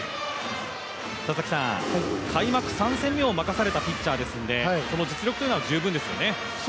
開幕３戦目を任されたピッチャーですので実力というのは十分ですよね。